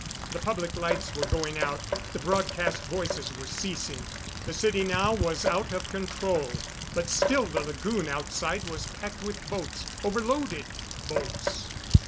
The public lights were going out; the broadcast voices were ceasing. The city now was out of control. But still the lagoon outside was packed with boats overloaded boats....